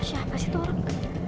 siapa sih itu orang